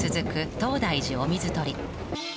東大寺お水取り。